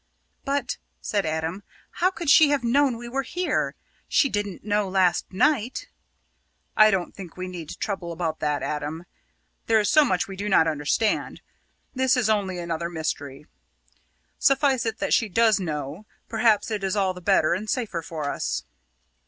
"But," said Adam, "how could she have known we were here? She didn't know last night." "I don't think we need trouble about that, Adam. There is so much we do not understand. This is only another mystery. Suffice it that she does know perhaps it is all the better and safer for us."